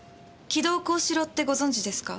城戸幸四郎ってご存じですか？